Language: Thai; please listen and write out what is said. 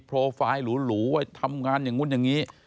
โปรไฟล์หรูไว้ทำงานอย่างนู้นอย่างนี้